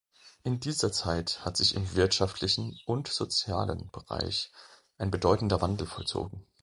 In dieser Zeit hat sich im wirtschaftlichen und sozialen Bereich ein bedeutender Wandel vollzogen.